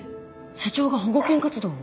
社長が保護犬活動を？